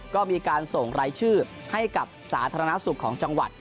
ก็มีการส่งรายชื่อให้กับสาธารณสุขของจังหวัด